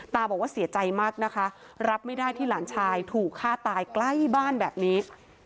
บอกว่าเสียใจมากนะคะรับไม่ได้ที่หลานชายถูกฆ่าตายใกล้บ้านแบบนี้